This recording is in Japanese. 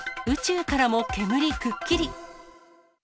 宇宙からも煙くっきり。